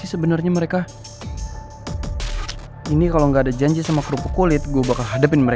tidak diangkat juga lagi